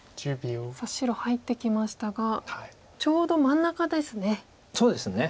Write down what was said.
さあ白入ってきましたがちょうど真ん中ですね。